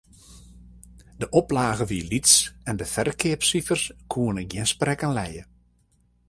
De oplage wie lyts en de ferkeapsifers koene gjin sprekken lije.